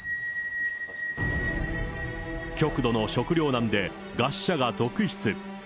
極度の食糧難で餓死者が続出。